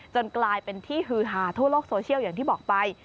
กลายเป็นที่ฮือหาทั่วโลกโซเชียลอย่างที่บอกไป